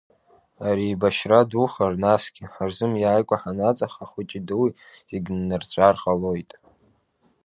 Ари еибашьра духар, насгьы ҳарзымиааикәа ҳанаҵаха хәыҷи дуи зегьы ннарҵәар ҟалоит!